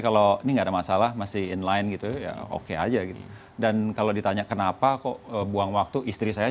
kalau ada masalah masih online gitu ya oke aja gitu dan kalau ditanya kenapa kok buang waktu istri